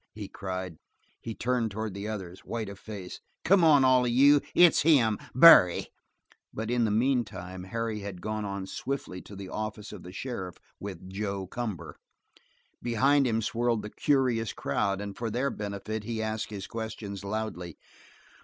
he cried. He turned toward the others, white of face. "Come on, all of you! It's him! Barry!" But in the meantime Harry had gone on swiftly to the office of the sheriff with "Joe Cumber." Behind him swirled the curious crowd and for their benefit he asked his questions loudly.